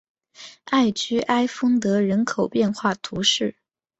艾居埃丰德人口变化图示